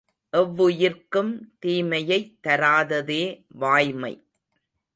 எவ்வுயிர்க்கும் தீமையைத் தராததே வாய்மை.